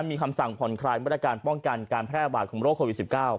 มีคำสั่งผ่อนคลายมาตรการป้องกันการแพร่ระบาดของโรคโควิด๑๙